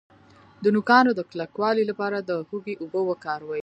د نوکانو د کلکوالي لپاره د هوږې اوبه وکاروئ